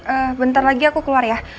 eh bentar lagi aku keluar ya